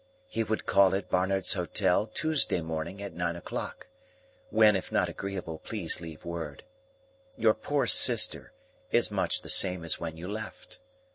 He would call at Barnard's Hotel Tuesday morning at nine o'clock, when if not agreeable please leave word. Your poor sister is much the same as when you left.